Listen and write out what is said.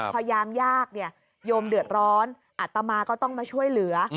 พยายามยากเนี่ยโยมเดือดร้อนอัตมาก็ต้องมาช่วยเหลือ